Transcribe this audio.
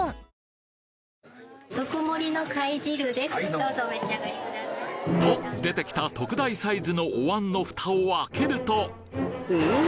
どうぞお召し上がりください。と出てきた特大サイズのお椀のフタを開けるとおぉ！